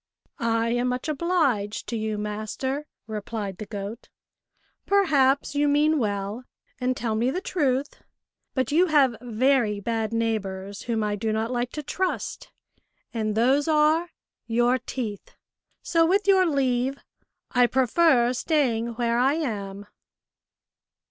" I am much obliged to you, master," replied the goat ;" perhaps you mean well, and tell me the truth, but you have very bad neighbours, whom I do not like to trust, and those are your teeth, so, with your leave, I prefer staying where I am."